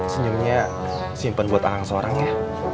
senyumnya simpen buat orang seorang ya